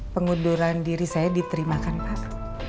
pengunduran diri saya diterimakan pak